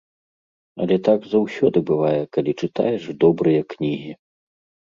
Але так заўсёды бывае, калі чытаеш добрыя кнігі.